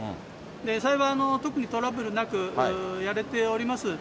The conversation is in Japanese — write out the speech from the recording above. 幸い、特にトラブルなくやれております。